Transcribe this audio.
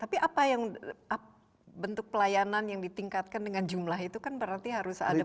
tapi apa yang bentuk pelayanan yang ditingkatkan dengan jumlah itu kan berarti harus ada